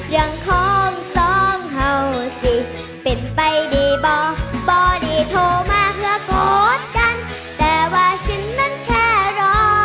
เรื่องของสองเห่าสิเป็นไปดีบ่บ่ดีโทรมาเพื่อโกรธกันแต่ว่าฉันนั้นแค่รอ